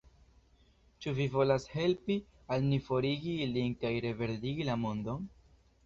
Ĉu vi volas helpi al ni forigi ilin kaj reverdigi la mondon?